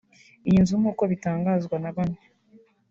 Iyi nzu nk’uko bitangazwa na bamwe